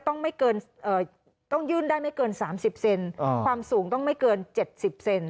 ต้องยื่นได้ไม่เกินสามสิบเซนความสูงต้องไม่เกินเจ็ดสิบเซน